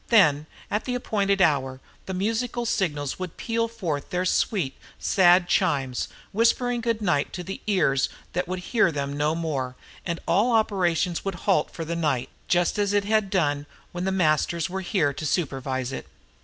Then, at the appointed hour, the musical signals would peal forth their sweet, sad chimes, whispering goodnight to ears that would hear them no more and all operations would halt for the night, just as it had done when The Masters were here to supervise it.